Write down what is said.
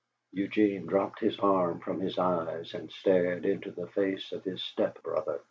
Eugene dropped his arm from his eyes and stared into the face of his step brother.